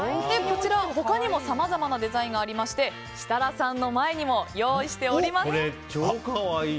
こちら、他にもさまざまなデザインがありまして設楽さんの前にも用意しております。